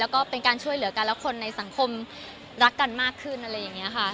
แล้วก็เป็นการช่วยเหลือกันแล้วคนในสังคมรักกันมากขึ้นอะไรอย่างนี้ค่ะ